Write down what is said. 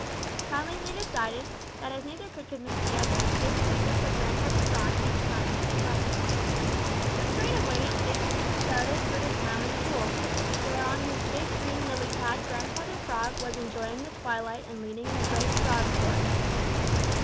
Finally they decided that as neither could convince the other, they should leave it for Grandfather Frog to decide which was right. So they straightway started for the Smiling Pool, where on his big green lily pad Grandfather Frog was enjoying the twilight and leading the great Frog chorus.